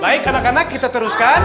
baik anak anak kita teruskan